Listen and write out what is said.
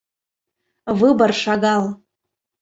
Выбор шагал.